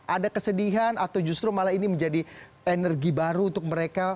ada kesedihan atau justru malah ini menjadi energi baru untuk mereka